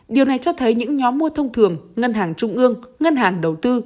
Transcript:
điều này cho thấy những nhóm mua thông thường ngân hàng trung ương ngân hàng đầu tư